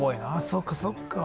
そうかそっか。